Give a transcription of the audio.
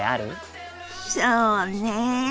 そうねえ